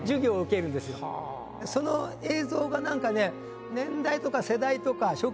その映像が何かね。